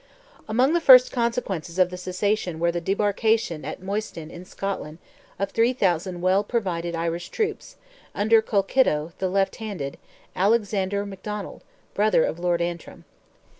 Among the first consequences of the cessation were the debarkation at Mostyn, in Scotland, of 3,000 well provided Irish troops, under Colkitto (the left handed,) Alexander McDonnell, brother of Lord Antrim.